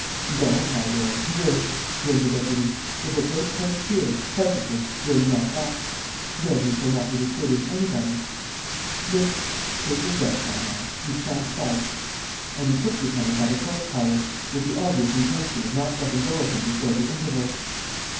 "No, my lord, here," grinned the deputy. "It will take place here, presently, during the entr'acte. Then we shall not be disturbing anybody." "But...." "Save your breath, my man; you sha'n't budge." And he took Lupin by the coat collar, with the obvious intention of not letting go of him before the interval.